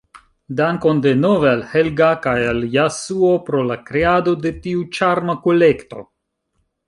Dankon denove al Helga kaj al Jasuo pro la kreado de tiu ĉarma kolekto.